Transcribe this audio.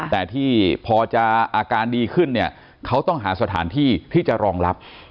แต่ที่พอจะอาการดีขึ้นเนี่ยเขาต้องหาสถานที่ที่จะรองรับ